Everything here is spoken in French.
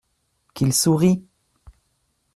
Qu’il sourie !